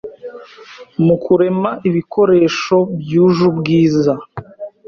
mu kurema ibikoresho byuje ubwiza